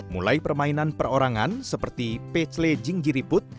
mulai permainan perorangan seperti pecele jinggiriput